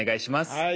はい。